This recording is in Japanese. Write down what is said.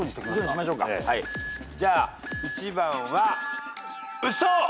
じゃあ１番はウソ。